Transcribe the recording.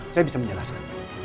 saya bisa menjelaskan